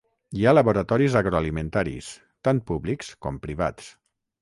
Hi ha laboratoris agroalimentaris, tant públics com privats.